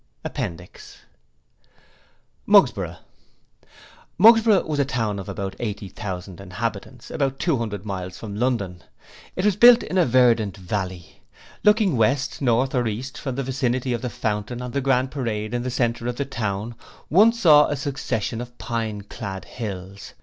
Appendix Mugsborough Mugsborough was a town of about eighty thousand inhabitants, about two hundred miles from London. It was built in a verdant valley. Looking west, north or east from the vicinity of the fountain on the Grand Parade in the centre of the town, one saw a succession of pine clad hills.